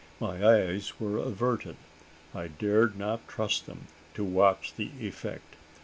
My eyes were averted. I dared not trust them to watch the effect.